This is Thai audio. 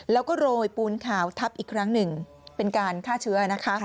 แล้วก็โรยปูนขาวทับอีกครั้งหนึ่งเป็นการฆ่าเชื้อนะคะ